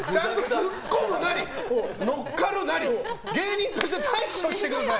ツッコむなり、乗っかるなり芸人として対処してください。